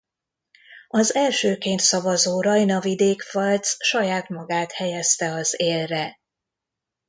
Az elsőként szavazó Rajna-vidék-Pfalz saját magát helyezte az élre.